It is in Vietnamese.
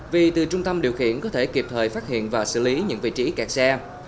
vì từ trung tâm điều khiển có thể kịp thời phát hiện và xử lý những vị trí kẹt xe